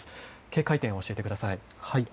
警戒点を教えてください。